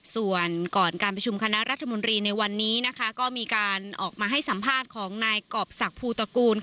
ส่วนก่อนการประชุมคณะรัฐมนตรีในวันนี้นะคะก็มีการออกมาให้สัมภาษณ์ของนายกรอบศักดิภูตระกูล